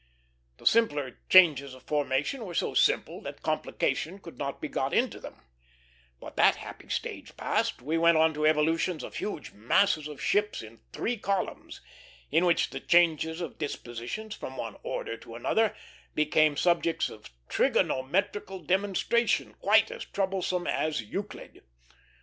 The simpler changes of formation were so simple that complication could not be got into them; but, that happy stage past, we went on to evolutions of huge masses of ships in three columns, in which the changes of dispositions, from one order to another, became subjects of trigonometrical demonstration, quite as troublesome as Euclid.